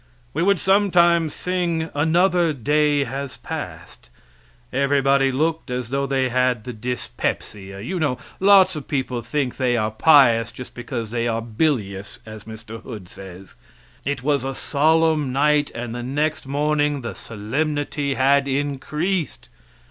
We would sometimes sing "Another Day has Passed." Everybody looked as though they had the dyspepsia you know lots of people think they are pious, just because they are bilious, as Mr. Hood says. It was a solemn night, and the next morning the solemnity had increased.